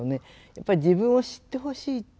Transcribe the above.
やっぱり自分を知ってほしいっていうね